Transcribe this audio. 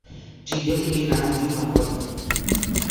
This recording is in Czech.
Řídil i gymnázium na Kladně.